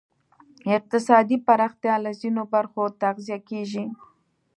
اقتصادي پراختیا له ځینو برخو تغذیه کېږی.